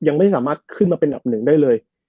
ยังไม่สามารถขึ้นมาเป็นอันดับหนึ่งได้เลย